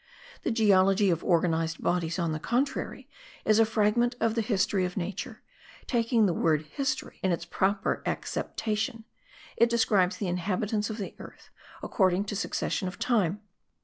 The geology of organized bodies, on the contrary, is a fragment of the history of nature, taking the word history in its proper acceptation: it describes the inhabitants of the earth according to succession of time.